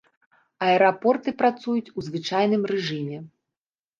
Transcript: Аэрапорты працуюць у звычайным рэжыме.